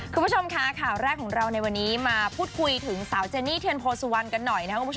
คุณผู้ชมค่ะข่าวแรกของเราในวันนี้มาพูดคุยถึงสาวเจนี่เทียนโพสุวรรณกันหน่อยนะครับคุณผู้ชม